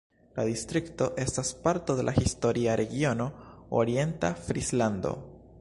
La distrikto estas parto de la historia regiono Orienta Frislando.